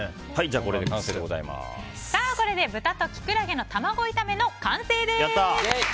これで豚とキクラゲの卵炒めの完成です。